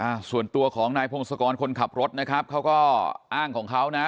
อ่าส่วนตัวของนายพงศกรคนขับรถนะครับเขาก็อ้างของเขานะ